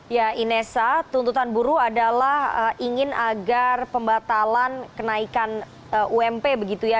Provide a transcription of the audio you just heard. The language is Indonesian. ya inesa tuntutan buruh adalah ingin agar pembatalan kenaikan ump begitu ya